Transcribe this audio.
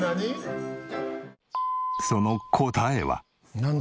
その答えは。